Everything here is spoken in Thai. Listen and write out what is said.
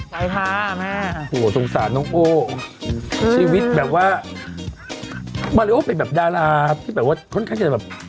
ไปค่ะแม่โอ้โหสงสารน้องโอ้ชีวิตแบบว่ามาริโอเป็นแบบดาราที่แบบว่าค่อนข้างจะแบบ